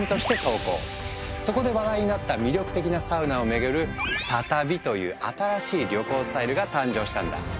そこで話題になった魅力的なサウナを巡る「サ旅」という新しい旅行スタイルが誕生したんだ。